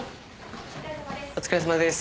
お疲れさまです。